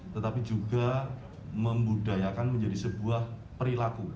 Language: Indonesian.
tetapi juga membudayakan menjadi sebuah perilaku